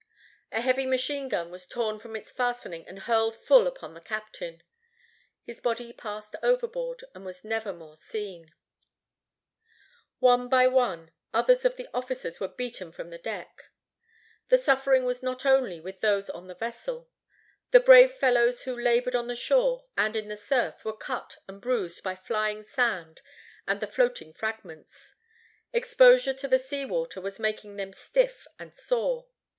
A heavy machine gun was torn from its fastening and hurled full upon the captain. His body passed overboard and was never more seen. [Illustration: THE BOW OF THE SUNKEN VANDALIA.] One by one others of the officers were beaten from the deck. The suffering was not only with those on the vessel. The brave fellows who labored on the shore and in the surf were cut and bruised by flying sand and the floating fragments. Exposure to the sea water was making them stiff and sore.